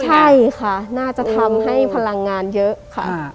ใช่ค่ะน่าจะทำให้พลังงานเยอะค่ะ